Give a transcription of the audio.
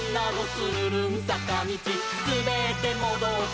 つるるんさかみち」「すべってもどって」